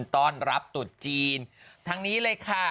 ต้อนรับตุดจีนทั้งนี้เลยค่ะ